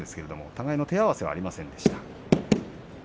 互いの手合わせはありませんでした。